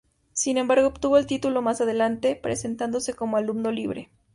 Sin embargo, obtuvo el título más adelante, presentándose como alumno libre.